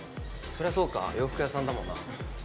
そうか洋服屋さんだもんな。